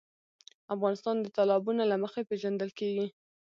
افغانستان د تالابونه له مخې پېژندل کېږي.